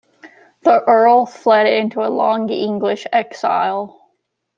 The Earl fled into a long English exile.